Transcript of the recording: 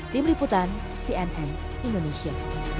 tim liputan cnn indonesia